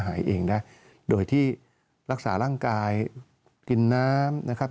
หายเองได้โดยที่รักษาร่างกายกินน้ำนะครับ